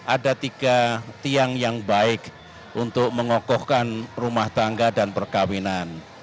ada tiga tiang yang baik untuk mengokohkan rumah tangga dan perkawinan